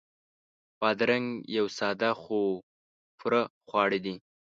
بادرنګ یو ساده خو پوره خواړه دي.